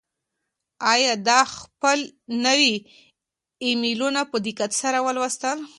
آیا ده خپل نوي ایمیلونه په دقت سره ولوستل؟